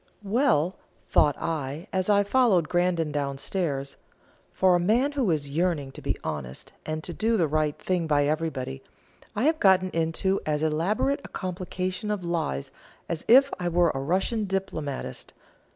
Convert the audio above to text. "Well," thought I, as I followed Grandon down stairs, "for a man who is yearning to be honest, and to do the right thing by everybody, I have got into as elaborate a complication of lies as if I were a Russian diplomatist.